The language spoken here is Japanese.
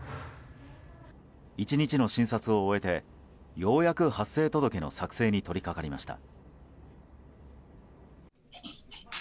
１日の診察を終えてようやく発生届の作成に取りかかりました。